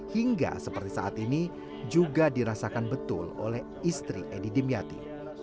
hingga seperti saat ini juga dirasakan betul oleh istri edi dimyati